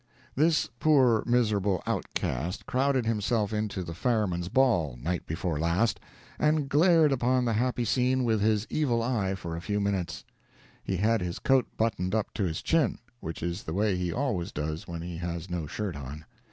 —This poor miserable outcast crowded himself into the Firemen's Ball, night before last, and glared upon the happy scene with his evil eye for a few minutes. He had his coat buttoned up to his chin, which is the way he always does when he has no shirt on.